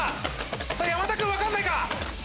山田君分かんないか？